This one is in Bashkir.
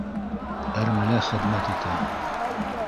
Әрмелә хеҙмәт итә